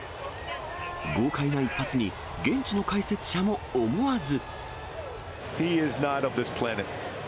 豪快な一発に、現地の解説者も思わず。